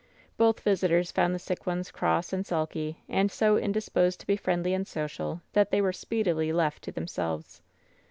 Both visitors found the sick ones cross and sulky, and so in disposed to be friendly and social that they were speedily left to themselves.